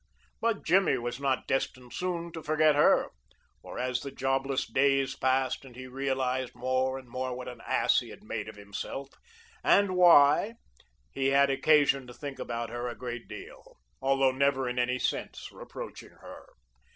But Jimmy was not destined soon to forget her, for as the jobless days passed and he realized more and more what an ass he had made of himself, and why, he had occasion to think about her a great deal, although never in any sense reproaching her.